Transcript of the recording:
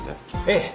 ええ。